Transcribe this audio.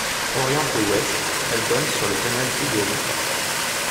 Orientée ouest, elle donne sur le canal Beagle.